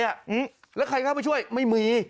แล้วใครเข้าไปช่วยไม่มี